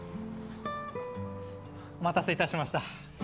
お待たせいたしました。